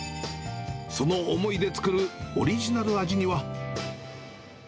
その思いで作るオリジナル味には。